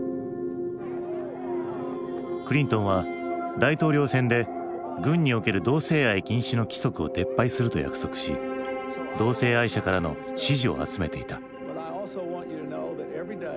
クリントンは大統領選で軍における同性愛禁止の規則を撤廃すると約束し同性愛者からの支持を集めていた。